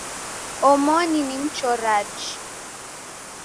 Omoni ni mchoraji